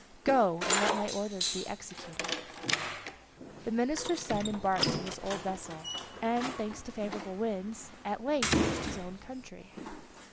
Go, and let my orders be executed." The minister's son embarked in this old vessel, and thanks to favorable winds, at length reached his own country.